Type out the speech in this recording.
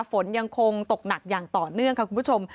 ฝนยังคงตกหนักอย่างต่อเนื่องค่ะคุณผู้ชม